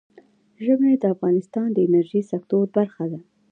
ژمی د افغانستان د انرژۍ سکتور برخه ده.